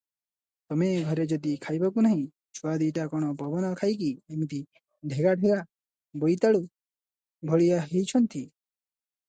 ତମେ ଘରେ ଯଦି ଖାଇବାକୁ ନାହିଁ, ଛୁଆ ଦିଟା କଣ ପବନ ଖାଇକି ଏମିତି ଢ଼େଗା ଢ଼େଗା ବୋଇତାଳୁ ଭଳିଆ ହେଇଛନ୍ତି?